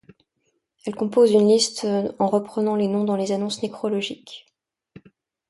Elle compose une liste en reprenant les noms dans les annonces nécrologiques.